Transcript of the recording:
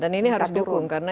dan ini harus dihukum